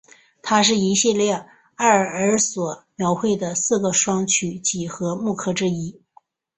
它是一系列埃舍尔所描绘的四个双曲几何木刻之一。